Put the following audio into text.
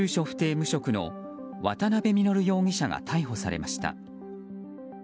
不定・無職の渡辺稔容疑者が逮捕されました。